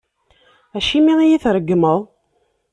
Acimi i yi-treggmeḍ?